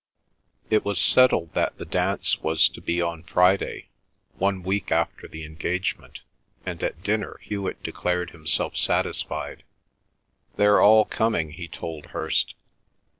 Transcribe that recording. It was settled that the dance was to be on Friday, one week after the engagement, and at dinner Hewet declared himself satisfied. "They're all coming!" he told Hirst.